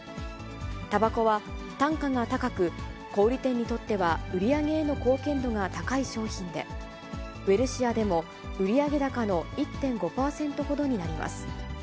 たばこは単価が高く、小売り店にとっては売り上げへの貢献度が高い商品で、ウエルシアでも売上高の１．５％ほどになります。